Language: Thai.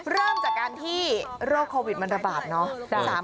เริ่มจากการที่โรคโควิดมันระบาดเนาะ